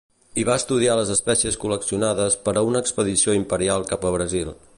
Hi va estudiar les espècies col·leccionades per a una expedició imperial cap a Brasil.